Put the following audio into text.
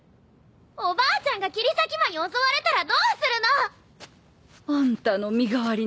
おばあちゃんが切り裂き魔に襲われたらどうするの！あんたの身代わりなら本望だよ。